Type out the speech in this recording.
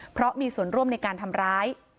เพราะมีส่วนร่วมในการทำร้าย